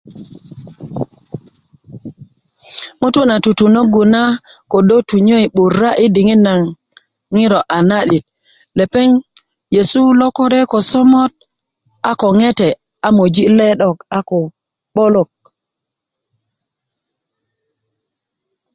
ŋutu na tutunöggu na ködö tunyöi 'bura' yi diŋit naŋ ŋiro alo'dit a nyesi' lokore ko somot a ko ŋete' a möji le 'dok a ko 'bolok